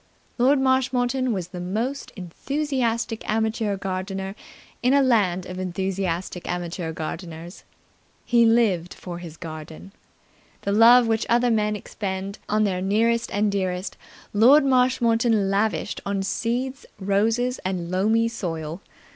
Lord Marshmoreton was the most enthusiastic amateur gardener in a land of enthusiastic amateur gardeners. He lived for his garden. The love which other men expend on their nearest and dearest Lord Marshmoreton lavished on seeds, roses and loamy soil.